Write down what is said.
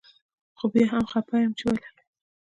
خو بيا هم خپه يم چي ولي